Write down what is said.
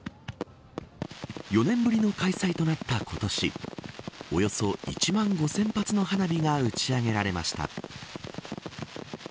４年ぶりの開催となった今年およそ１万５０００発の花火が打ち上げられました。